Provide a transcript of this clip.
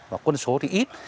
và quân số thì ít